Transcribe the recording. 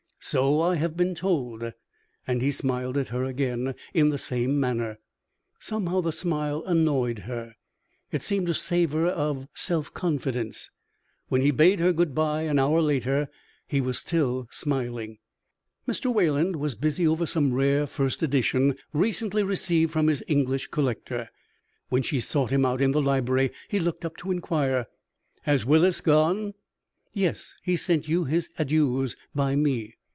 "So I have been told," and he smiled at her again, in the same manner. Somehow the smile annoyed her it seemed to savor of self confidence. When he bade her good bye an hour later he was still smiling. Mr. Wayland was busy over some rare first edition, recently received from his English collector, when she sought him out in the library. He looked up to inquire: "Has Willis gone?" "Yes. He sent you his adieus by me."